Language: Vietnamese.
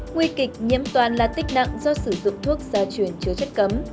nguy kịch nhiễm toàn là tích nặng do sử dụng thuốc gia truyền chứa chất cấm